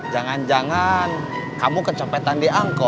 jangan jangan kamu kecepetan diangkut